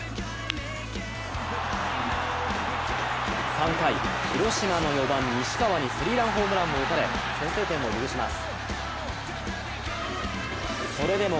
３回、広島の４番・西川にスリーランホームランを打たれ先制点を許します。